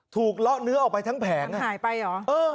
ถูกเลาะเนื้อออกไปทั้งแผง